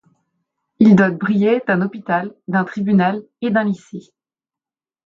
Il dote Briey d'un hôpital, d'un tribunal et d'un lycée.